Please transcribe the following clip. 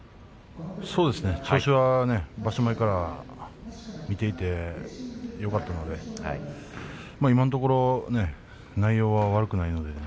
調子は場所前からよかったので今のところ内容は悪くないですね。